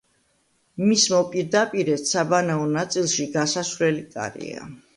მის მოპირდაპირედ საბანაო ნაწილში გასასვლელი კარია.